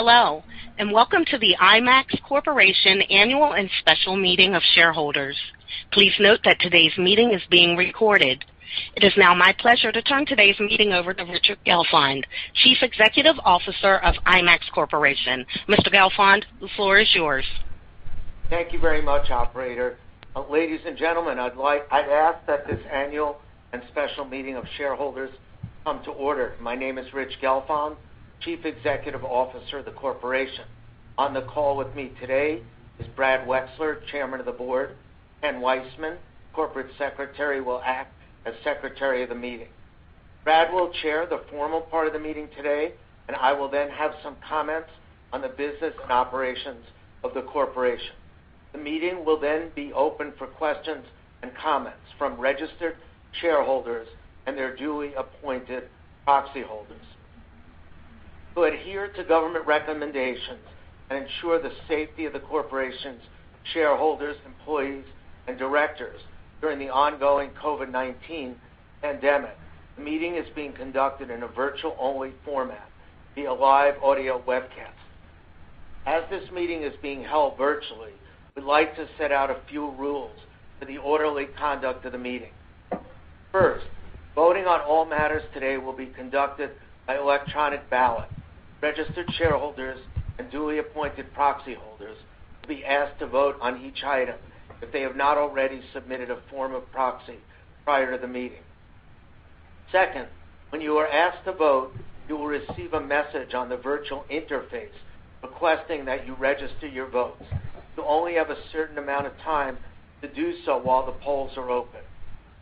Hello, and welcome to the IMAX Corporation annual and special meeting of Shareholders. Please note that today's meeting is being recorded. It is now my pleasure to turn today's meeting over to Richard Gelfond, Chief Executive Officer of IMAX Corporation. Mr. Gelfond, the floor is yours. Thank you very much, Operator. Ladies and gentlemen, I'd ask that this annual and special meeting of shareholders come to order. My name is Rich Gelfond, Chief Executive Officer of the Corporation. On the call with me today is Brad Wechsler, Chairman of the Board. Ken Weissman, Corporate Secretary, will act as Secretary of the Meeting. Brad will chair the formal part of the meeting today, and I will then have some comments on the business and operations of the Corporation. The meeting will then be open for questions and comments from registered shareholders and their duly appointed proxy holders. To adhere to government recommendations and ensure the safety of the Corporation's shareholders, employees, and directors during the ongoing COVID-19 pandemic, the meeting is being conducted in a virtual-only format, via live audio webcast. As this meeting is being held virtually, we'd like to set out a few rules for the orderly conduct of the meeting. First, voting on all matters today will be conducted by electronic ballot. Registered shareholders and duly appointed proxy holders will be asked to vote on each item if they have not already submitted a form of proxy prior to the meeting. Second, when you are asked to vote, you will receive a message on the virtual interface requesting that you register your votes. You only have a certain amount of time to do so while the polls are open.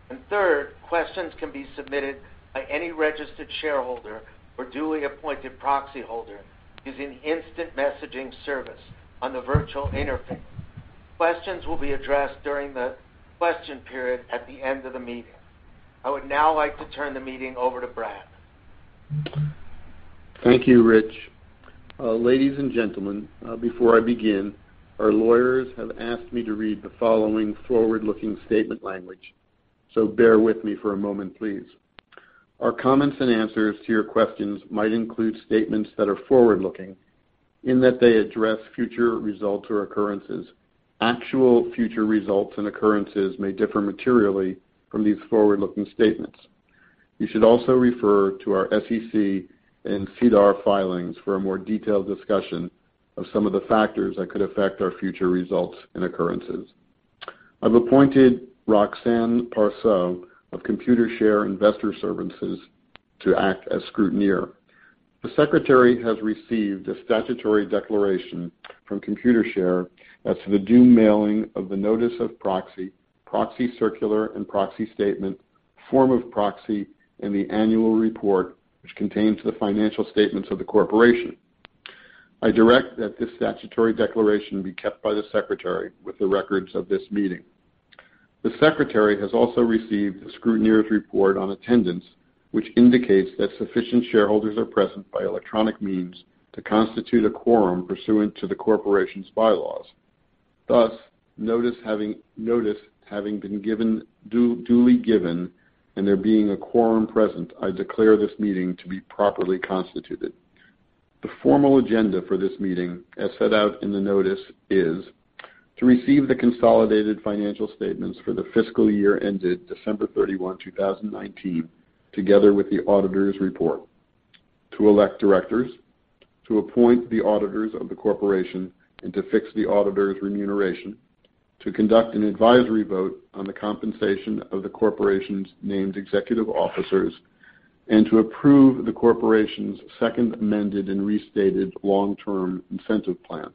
And third, questions can be submitted by any registered shareholder or duly appointed proxy holder. Using instant messaging service on the virtual interface, questions will be addressed during the question period at the end of the meeting. I would now like to turn the meeting over to Brad. Thank you, Rich. Ladies and gentlemen, before I begin, our lawyers have asked me to read the following forward-looking statement language, so bear with me for a moment, please. Our comments and answers to your questions might include statements that are forward-looking in that they address future results or occurrences. Actual future results and occurrences may differ materially from these forward-looking statements. You should also refer to our SEC and SEDAR filings for a more detailed discussion of some of the factors that could affect our future results and occurrences. I've appointed Roxanne Parseaux of Computershare Investor Services to act as scrutineer. The Secretary has received a statutory declaration from Computershare as to the due mailing of the Notice of Proxy, Proxy Circular, and Proxy Statement, Form of Proxy, and the Annual Report, which contains the financial statements of the Corporation. I direct that this statutory declaration be kept by the Secretary with the records of this meeting. The Secretary has also received the scrutineer's report on attendance, which indicates that sufficient shareholders are present by electronic means to constitute a quorum pursuant to the Corporation's bylaws. Thus, notice having been duly given and there being a quorum present, I declare this meeting to be properly constituted. The formal agenda for this meeting, as set out in the notice, is to receive the consolidated financial statements for the fiscal year ended December 31, 2019, together with the auditor's report. To elect directors. To appoint the auditors of the Corporation and to fix the auditor's remuneration. To conduct an advisory vote on the compensation of the Corporation's named executive officers. And to approve the Corporation's second amended and restated long-term incentive plan.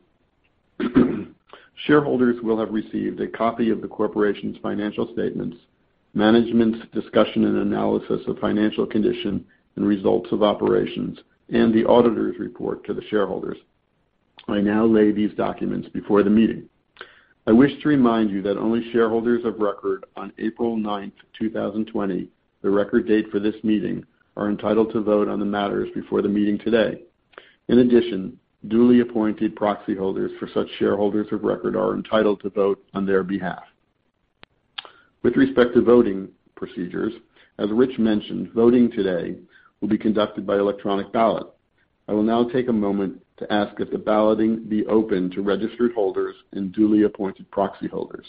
Shareholders will have received a copy of the Corporation's financial statements, management's discussion and analysis of financial condition and results of operations, and the auditor's report to the shareholders. I now lay these documents before the meeting. I wish to remind you that only shareholders of record on April 9, 2020, the record date for this meeting, are entitled to vote on the matters before the meeting today. In addition, duly appointed proxy holders for such shareholders of record are entitled to vote on their behalf. With respect to voting procedures, as Rich mentioned, voting today will be conducted by electronic ballot. I will now take a moment to ask that the balloting be open to registered holders and duly appointed proxy holders.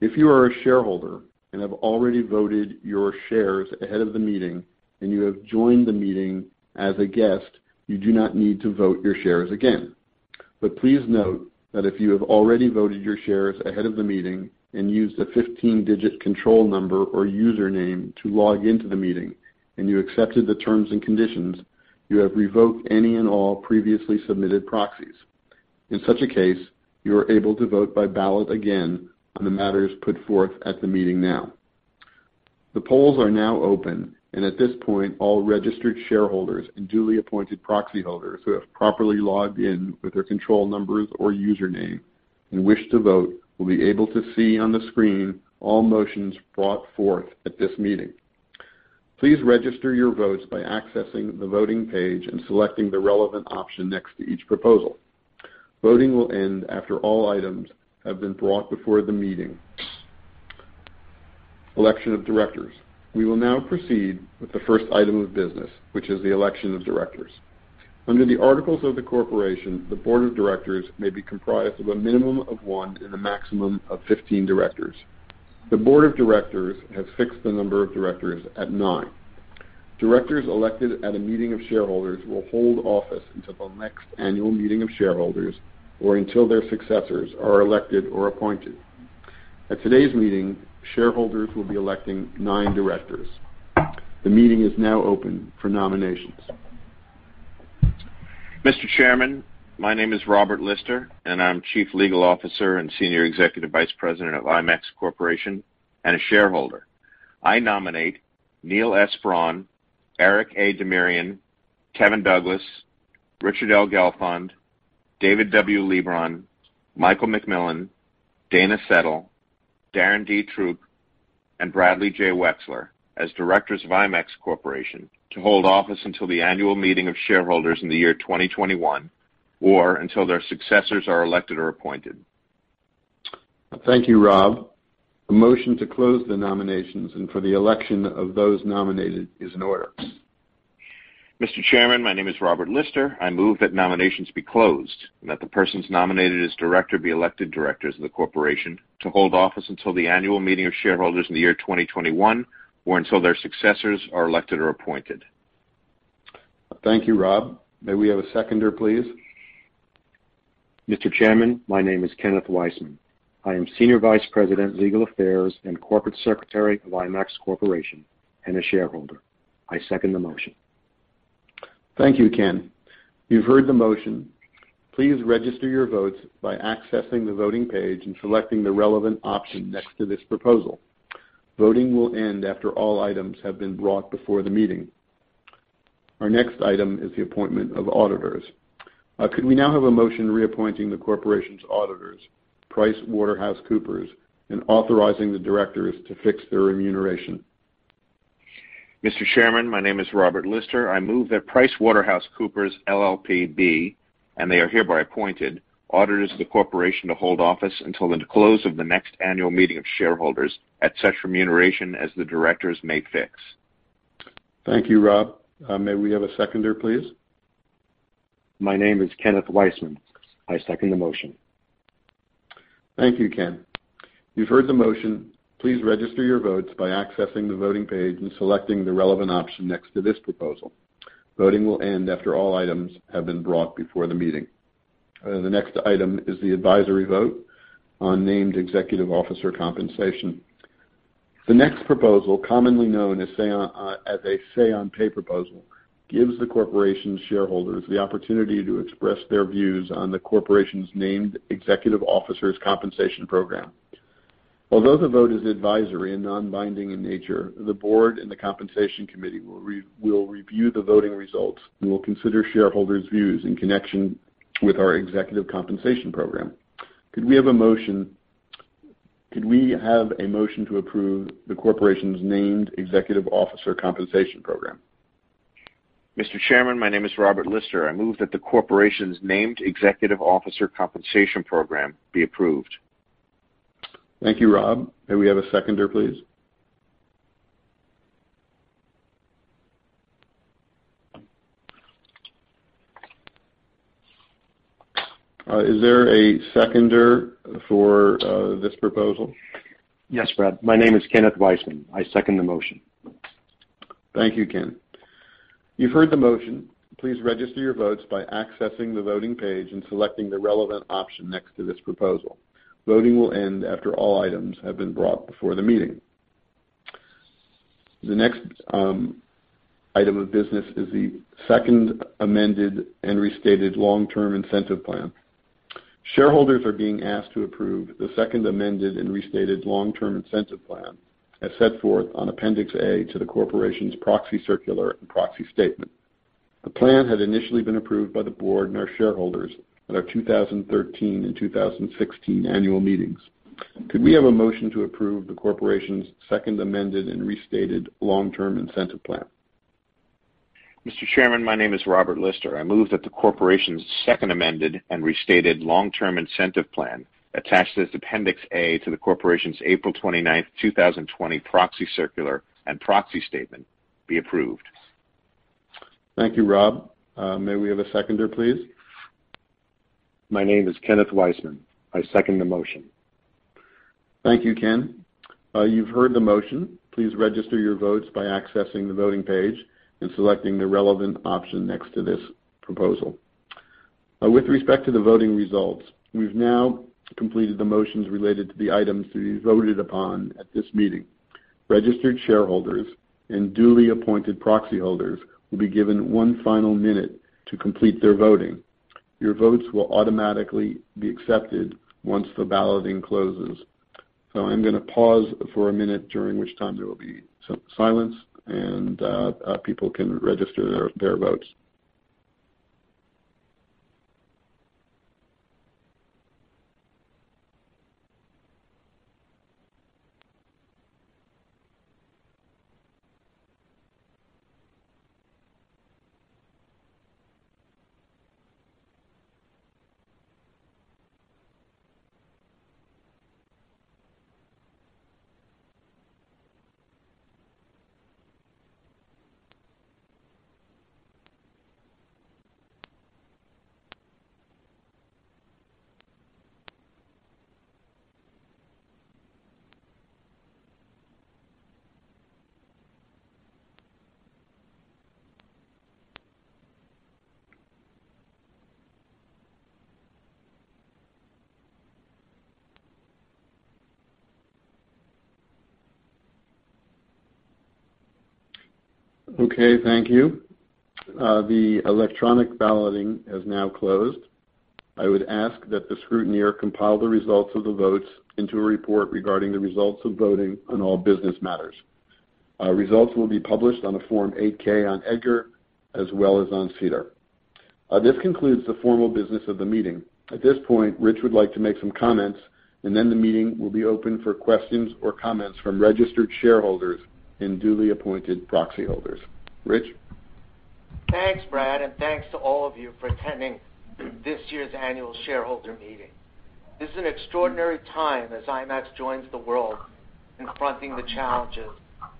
If you are a shareholder and have already voted your shares ahead of the meeting and you have joined the meeting as a guest, you do not need to vote your shares again. But please note that if you have already voted your shares ahead of the meeting and used a 15-digit control number or username to log into the meeting and you accepted the terms and conditions, you have revoked any and all previously submitted proxies. In such a case, you are able to vote by ballot again on the matters put forth at the meeting now. The polls are now open, and at this point, all registered shareholders and duly appointed proxy holders who have properly logged in with their control numbers or username and wish to vote will be able to see on the screen all motions brought forth at this meeting. Please register your votes by accessing the voting page and selecting the relevant option next to each proposal. Voting will end after all items have been brought before the meeting. Election of directors. We will now proceed with the first item of business, which is the election of directors. Under the Articles of the Corporation, the Board of Directors may be comprised of a minimum of one and a maximum of 15 directors. The Board of Directors has fixed the number of directors at nine. Directors elected at a meeting of shareholders will hold office until the next annual meeting of shareholders or until their successors are elected or appointed. At today's meeting, shareholders will be electing nine directors. The meeting is now open for nominations. Mr. Chairman, my name is Robert Lister, and I'm Chief Legal Officer and Senior Executive Vice President of IMAX Corporation and a shareholder. I nominate Neil S. Braun, Eric A. Demirian, Kevin Douglas, Richard L. Gelfond, David W. Leebron, Michael MacMillan, Dana Settle, Darren D. Throop, and Bradley J. Wechsler as directors of IMAX Corporation to hold office until the Annual Meeting of Shareholders in the year 2021 or until their successors are elected or appointed. Thank you, Rob. A motion to close the nominations and for the election of those nominated is in order. Mr. Chairman, my name is Robert Lister. I move that nominations be closed and that the persons nominated as director be elected directors of the Corporation to hold office until the Annual Meeting of Shareholders in the year 2021 or until their successors are elected or appointed. Thank you, Rob. May we have a seconder, please? Mr. Chairman, my name is Kenneth Weissman. I am Senior Vice President, Legal Affairs and Corporate Secretary of IMAX Corporation and a shareholder. I second the motion. Thank you, Ken. You've heard the motion. Please register your votes by accessing the voting page and selecting the relevant option next to this proposal. Voting will end after all items have been brought before the meeting. Our next item is the appointment of auditors. Could we now have a motion reappointing the Corporation's auditors, PricewaterhouseCoopers, and authorizing the directors to fix their remuneration? Mr. Chairman, my name is Robert Lister. I move that PricewaterhouseCoopers LLP be, and they are hereby appointed auditors of the Corporation to hold office until the close of the next Annual Meeting of Shareholders at such remuneration as the directors may fix. Thank you, Rob. May we have a seconder, please? My name is Kenneth Weissman. I second the motion. Thank you, Ken. You've heard the motion. Please register your votes by accessing the voting page and selecting the relevant option next to this proposal. Voting will end after all items have been brought before the meeting. The next item is the advisory vote on named executive officer compensation. The next proposal, commonly known as a say-on-pay proposal, gives the Corporation's shareholders the opportunity to express their views on the Corporation's named executive officers' compensation program. Although the vote is advisory and non-binding in nature, the Board and the Compensation Committee will review the voting results and will consider shareholders' views in connection with our executive compensation program. Could we have a motion to approve the Corporation's named executive officer compensation program? Mr. Chairman, my name is Robert Lister. I move that the Corporation's named executive officer compensation program be approved. Thank you, Rob. May we have a seconder, please? Is there a seconder for this proposal? Yes, Brad. My name is Kenneth Weissman. I second the motion. Thank you, Ken. You've heard the motion. Please register your votes by accessing the voting page and selecting the relevant option next to this proposal. Voting will end after all items have been brought before the meeting. The next item of business is the second amended and restated long-term incentive plan. Shareholders are being asked to approve the second amended and restated long-term incentive plan as set forth on Appendix A to the Corporation's Proxy Circular and Proxy Statement. The plan had initially been approved by the Board and our shareholders at our 2013 and 2016 annual meetings. Could we have a motion to approve the Corporation's second amended and restated long-term incentive plan? Mr. Chairman, my name is Robert Lister. I move that the Corporation's second amended and restated long-term incentive plan attached to this Appendix A to the Corporation's April 29, 2020, Proxy Circular and Proxy Statement be approved. Thank you, Rob. May we have a seconder, please? My name is Kenneth Weissman. I second the motion. Thank you, Ken. You've heard the motion. Please register your votes by accessing the voting page and selecting the relevant option next to this proposal. With respect to the voting results, we've now completed the motions related to the items to be voted upon at this meeting. Registered shareholders and duly appointed proxy holders will be given one final minute to complete their voting. Your votes will automatically be accepted once the balloting closes. So I'm going to pause for a minute, during which time there will be some silence and people can register their votes. Okay, thank you. The electronic balloting has now closed. I would ask that the scrutineer compile the results of the votes into a report regarding the results of voting on all business matters. Results will be published on a Form 8-K on EDGAR as well as on SEDAR. This concludes the formal business of the meeting. At this point, Rich would like to make some comments, and then the meeting will be open for questions or comments from registered shareholders and duly appointed proxy holders. Rich? Thanks, Brad, and thanks to all of you for attending this year's annual shareholder meeting. This is an extraordinary time as IMAX joins the world confronting the challenges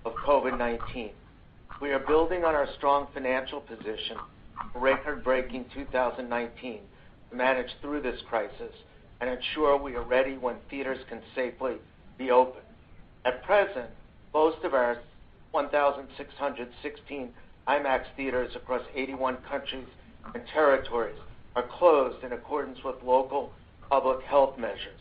of COVID-19. We are building on our strong financial position for record-breaking 2019 to manage through this crisis and ensure we are ready when theaters can safely be open. At present, most of our 1,616 IMAX theaters across 81 countries and territories are closed in accordance with local public health measures.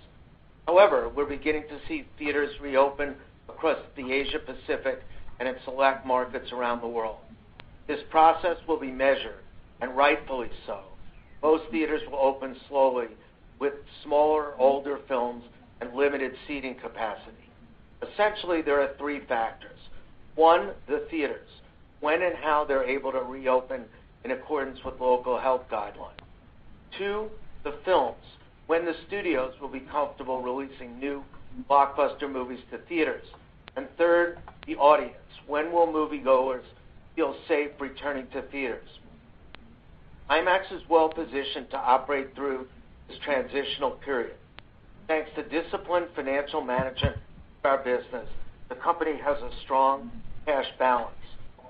However, we're beginning to see theaters reopen across the Asia-Pacific and in select markets around the world. This process will be measured, and rightfully so. Most theaters will open slowly with smaller, older films and limited seating capacity. Essentially, there are three factors. One, the theaters: when and how they're able to reopen in accordance with local health guidelines. Two, the films: when the studios will be comfortable releasing new blockbuster movies to theaters. And third, the audience: when will moviegoers feel safe returning to theaters? IMAX is well-positioned to operate through this transitional period. Thanks to disciplined financial management of our business, the company has a strong cash balance.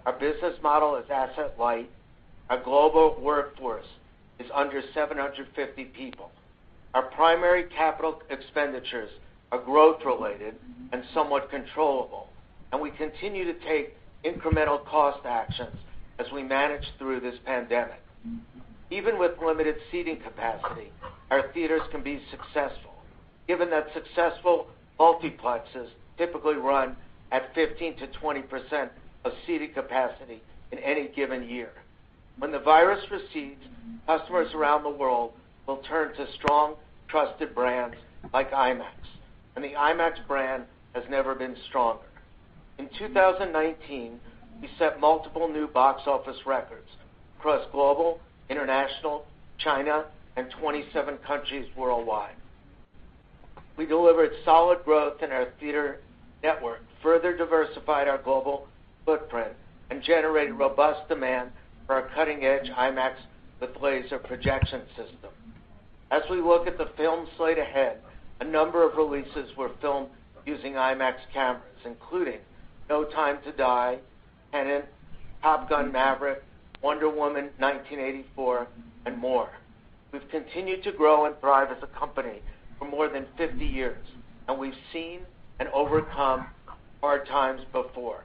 Our business model is asset-light. Our global workforce is under 750 people. Our primary capital expenditures are growth-related and somewhat controllable. And we continue to take incremental cost actions as we manage through this pandemic. Even with limited seating capacity, our theaters can be successful, given that successful multiplexes typically run at 15%-20% of seating capacity in any given year. When the virus recedes, customers around the world will turn to strong, trusted brands like IMAX. And the IMAX brand has never been stronger. In 2019, we set multiple new box office records across global, international, China, and 27 countries worldwide. We delivered solid growth in our theater network, further diversified our global footprint, and generated robust demand for our cutting-edge IMAX with Laser projection system. As we look at the film slate ahead, a number of releases were filmed using IMAX cameras, including No Time to Die, Tenet, Top Gun: Maverick, Wonder Woman 1984, and more. We've continued to grow and thrive as a company for more than 50 years, and we've seen and overcome hard times before.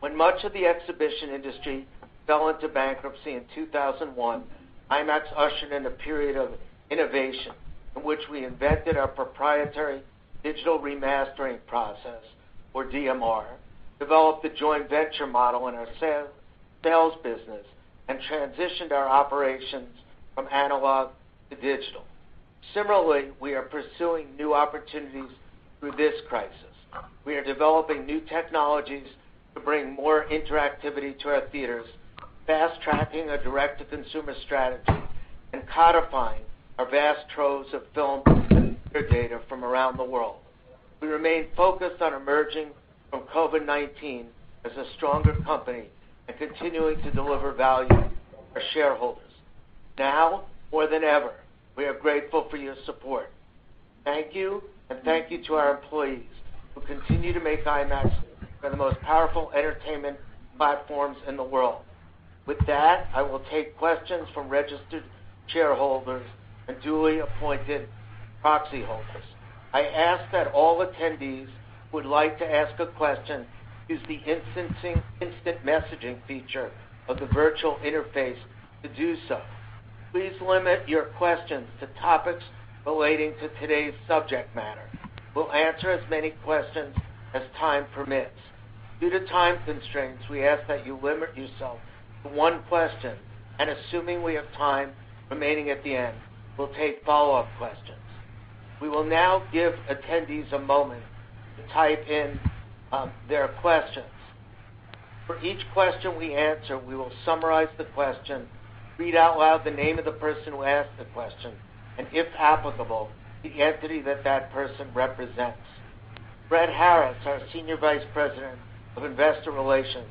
When much of the exhibition industry fell into bankruptcy in 2001, IMAX ushered in a period of innovation in which we invented our proprietary digital remastering process, or DMR, developed the joint venture model in our sales business, and transitioned our operations from analog to digital. Similarly, we are pursuing new opportunities through this crisis. We are developing new technologies to bring more interactivity to our theaters, fast-tracking our direct-to-consumer strategy, and codifying our vast troves of film and theater data from around the world. We remain focused on emerging from COVID-19 as a stronger company and continuing to deliver value to our shareholders. Now more than ever, we are grateful for your support. Thank you, and thank you to our employees who continue to make IMAX one of the most powerful entertainment platforms in the world. With that, I will take questions from registered shareholders and duly appointed proxy holders. I ask that all attendees who would like to ask a question use the instant messaging feature of the virtual interface to do so. Please limit your questions to topics relating to today's subject matter. We'll answer as many questions as time permits. Due to time constraints, we ask that you limit yourself to one question, and assuming we have time remaining at the end, we'll take follow-up questions. We will now give attendees a moment to type in their questions. For each question we answer, we will summarize the question, read out loud the name of the person who asked the question, and if applicable, the entity that that person represents. Brett Harriss, our Senior Vice President of Investor Relations,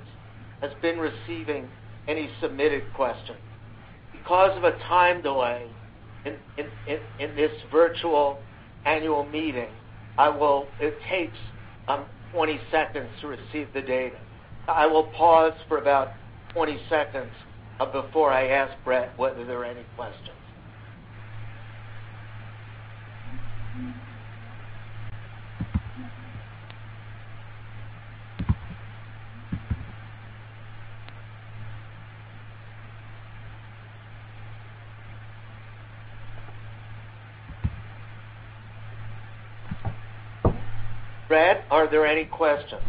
has been receiving any submitted questions. Because of a time delay in this virtual Annual Meeting, it takes 20 seconds to receive the data. I will pause for about 20 seconds before I ask Brett whether there are any questions. Brett, are there any questions?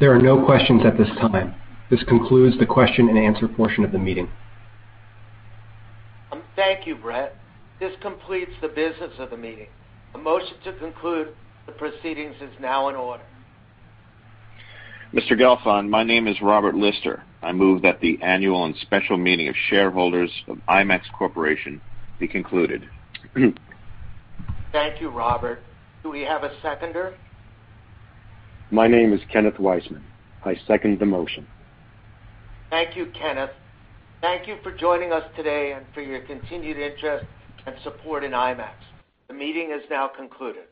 There are no questions at this time. This concludes the question-and-answer portion of the meeting. Thank you, Brad. This completes the business of the meeting. A motion to conclude the proceedings is now in order. Mr. Gelfond, my name is Robert Lister. I move that the Annual and Special Meeting of Shareholders of IMAX Corporation be concluded. Thank you, Robert. Do we have a seconder? My name is Kenneth Weissman. I second the motion. Thank you, Kenneth. Thank you for joining us today and for your continued interest and support in IMAX. The meeting is now concluded.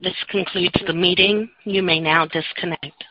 This concludes the meeting. You may now disconnect.